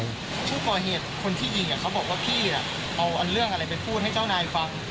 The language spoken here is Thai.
พี่เอาเรื่องอะไรไปพูดให้เจ้านายฟัง